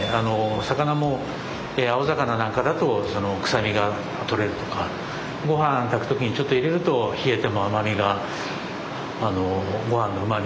魚も青魚なんかだとその臭みがとれるとかご飯炊く時にちょっと入れると冷えても甘みがご飯のうまみ